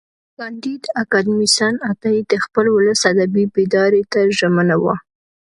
کانديد اکاډميسن عطایي د خپل ولس ادبي بیداري ته ژمن و.